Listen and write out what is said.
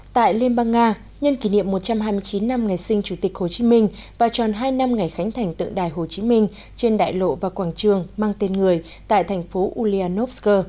tại liên bang nga nhân kỷ niệm một trăm hai mươi chín năm ngày sinh chủ tịch hồ chí minh và tròn hai năm ngày khánh thành tượng đài hồ chí minh trên đại lộ và quảng trường mang tên người tại thành phố ulyanovsk